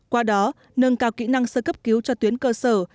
qua đó nâng cao kỹ năng sơ cấp cứu cho tuyến cơ sở